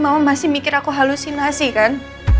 mama masih mikir aku halusinasi kan